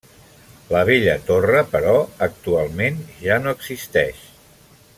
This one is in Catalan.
La vella torre, però, actualment ja no existeix.